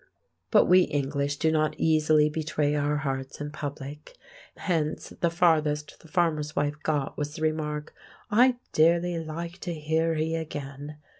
But we English do not easily betray our hearts in public. Hence the farthest the farmer's wife got was the remark, "I'd dearly like to hear he again."